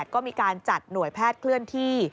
ก็มีการจัดหน่วยแพทย์เคลื่อนที่